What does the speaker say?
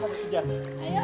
oke kita pergi